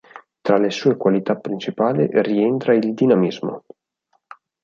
Tra le sue qualità principali rientra il dinamismo.